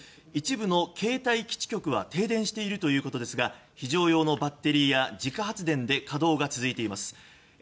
一部の携帯基地局は停電しているということですが非常用のバッテリーや自家発電で稼働が続いています。